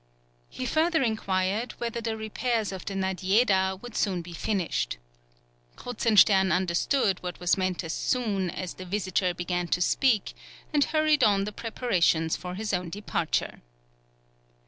He further inquired whether the repairs of the Nadiejeda would soon be finished. Kruzenstern understood what was meant as soon as his visitor began to speak, and hurried on the preparations for his own departure.